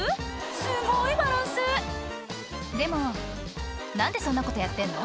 すごいバランスでも何でそんなことやってんの？